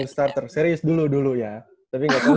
serius dulu dulu ya tapi enggak tau juga